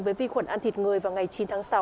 với vi khuẩn ăn thịt người vào ngày chín tháng sáu